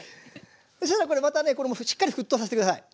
そしたらこれまたねしっかり沸騰させて下さい。